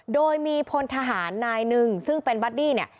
โดยมีพลทหารนายหนึ่งซึ่งเป็นบัดดี้เนี่ย